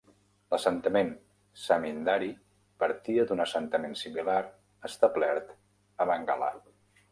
L'assentament zamindari partia d'un assentament similar establert a Bengala.